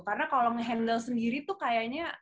karena kalau nge handle sendiri tuh kayaknya